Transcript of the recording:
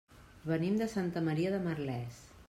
Venim de Santa Maria de Merlès.